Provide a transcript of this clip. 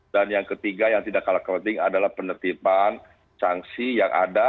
dan yang ketiga yang tidak kalah kepenting adalah penertiban sanksi yang ada